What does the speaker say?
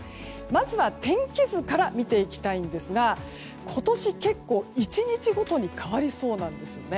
まずは天気図から見ていきたいんですが今年、結構１日ごとに変わりそうなんですよね。